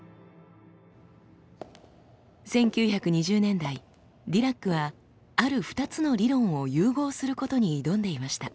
１９２０年代ディラックはある２つの理論を融合することに挑んでいました。